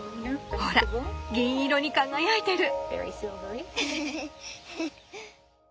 ほら銀色に輝いてる。